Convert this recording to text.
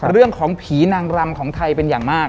เรื่องของผีนางรำของไทยเป็นอย่างมาก